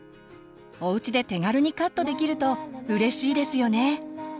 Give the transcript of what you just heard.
おうちで手軽にカットできるとうれしいですよね。